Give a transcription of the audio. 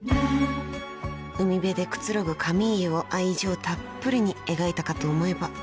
［海辺でくつろぐカミーユを愛情たっぷりに描いたかと思えば］